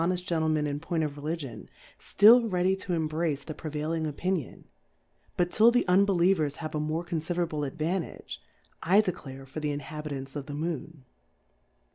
59 honeft Gentlemen in Point of Religion) ftill ready to embrace the prevailing Opi nion, but till the Unbelievers have a more confiderable Advantage, I declare for the Inhabitants of the Moon.